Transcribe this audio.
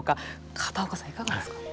片岡さん、いかがですか。